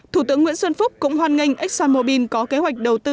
thủ tướng nguyễn xuân phúc cũng hoan nghênh exxonmobil có kế hoạch đầu tư